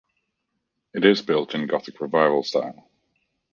It is built in Gothic Revival style.